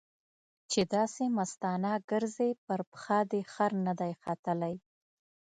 چې داسې مستانه ګرځې؛ پر پښه دې خر نه دی ختلی.